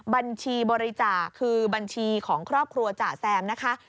บัญชีบริจาคคือบัญชีของครอบครัวจ่าแซมนะคะ